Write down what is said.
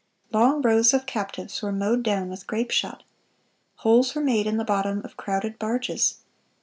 Long rows of captives were mowed down with grape shot. Holes were made in the bottom of crowded barges.